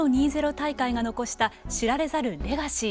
大会が残した知られざるレガシー。